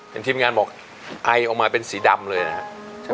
ทีมงานบอกไอออกมาเป็นสีดำเลยนะครับ